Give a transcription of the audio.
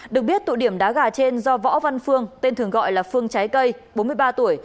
được biết tụ điểm đá gà trên do võ văn phương tên thường gọi là phương trái cây bốn mươi ba tuổi